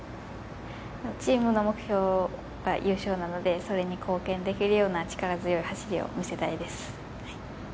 チームの目標は優勝なので、それに貢献できるような力強い走りを見せたいです。